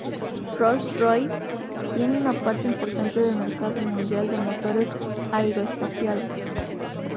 Rolls-Royce tiene una parte importante del mercado mundial de motores aeroespaciales.